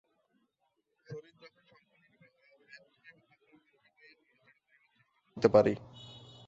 শরীর যখন সম্পূর্ণরূপে আয়ত্ত হইবে, তখন মনকে লইয়া নাড়াচাড়া করিবার চেষ্টা করিতে পারি।